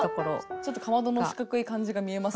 ちょっとかまどの四角い感じが見えます。